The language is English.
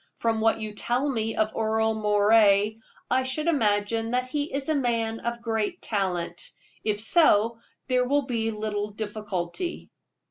From what you tell me of Earle Moray, I should imagine that he is a man of great talent. If so, there can be little difficulty."